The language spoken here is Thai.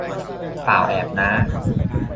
ป่าวแอบน้า